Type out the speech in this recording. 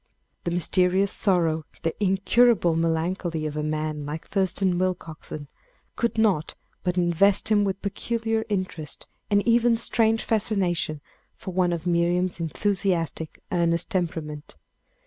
The mysterious sorrow, the incurable melancholy of a man like Thurston Willcoxen, could not but invest him with peculiar interest and even strange fascination for one of Miriam's enthusiastic, earnest temperament.